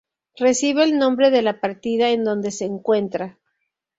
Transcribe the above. Recibe el nombre de la partida en donde se encuentra.